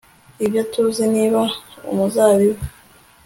Ibyo tuzi niba umuzabibu